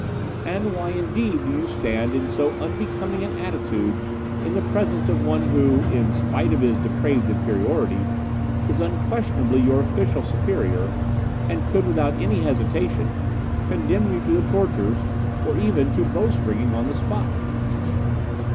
and why, indeed, do you stand in so unbecoming an attitude in the presence of one who, in spite of his depraved inferiority, is unquestionably your official superior, and could, without any hesitation, condemn you to the tortures or even to bowstringing on the spot?